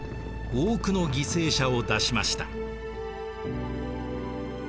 多くの犠牲者を出しました。